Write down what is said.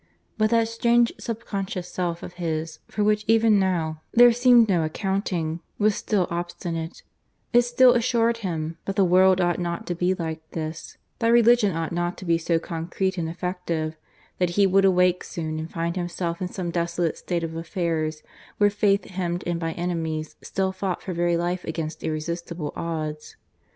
But that strange subconscious self of his, for which even now there seemed no accounting, was still obstinate; it still assured him that the world ought not to be like this, that religion ought not to be so concrete and effective that he would awake soon and find himself in some desolate state of affairs where Faith, hemmed in by enemies, still fought for very life against irresistible odds.